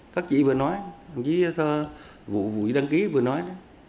các chị vừa nói thằng chí thơ vụ đăng ký vừa nói